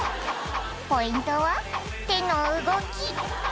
「ポイントは手の動き」